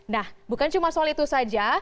nah bukan cuma soal itu saja